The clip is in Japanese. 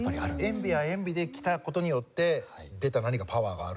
燕尾は燕尾で着た事によって出た何かパワーがあると。